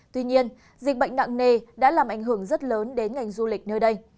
tuy nhiên dịch bệnh nặng nề đã làm ảnh hưởng rất lớn đến ngành du lịch nơi đây